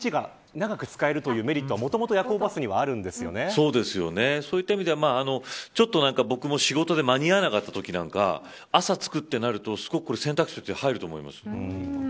朝着くから、１日が長く使えるというメリットはもともとそういった意味ではちょっと僕も仕事で間に合わなかったときなんか朝着くとなると、すごく選択肢に入ると思います。